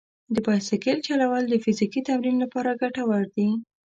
د بایسکل چلول د فزیکي تمرین لپاره ګټور دي.